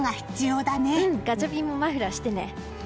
ガチャピンもマフラーしてね。